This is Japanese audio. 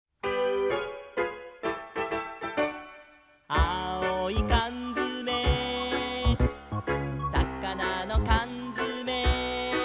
「あおいかんづめ」「さかなのかんづめ」